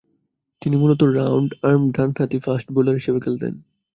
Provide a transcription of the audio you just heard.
তিনি মূলতঃ round arm ডানহাতি ফাস্ট বোলার হিসেবে খেলতেন।